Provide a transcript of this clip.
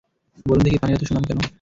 বলুন দেখি, পানির এত সুনাম কেন?